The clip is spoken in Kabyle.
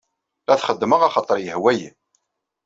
La t-xeddmeɣ axaṭeṛ yehwa-yi.